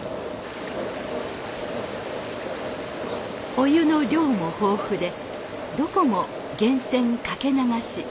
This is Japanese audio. お湯の量も豊富でどこも源泉かけ流し。